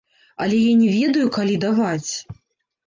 Але я не ведаю, калі даваць.